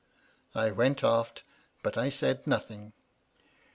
I went aft, but I said nothing.